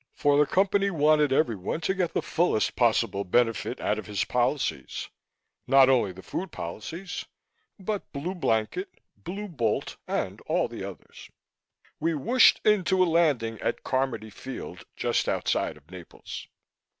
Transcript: For the Company wanted everyone to get the fullest possible benefit out of his policies not only the food policies, but Blue Blanket, Blue Bolt and all the others. We whooshed in to a landing at Carmody Field, just outside of Naples.